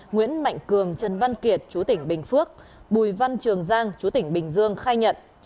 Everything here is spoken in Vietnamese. nguyễn mạnh cường trần văn kiệt chú tỉnh bình phước bùi văn trường giang chú tỉnh bình dương khai nhận